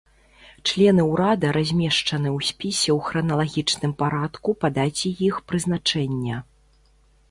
Члены ўрада размешчаны ў спісе ў храналагічным парадку па даце іх прызначэння.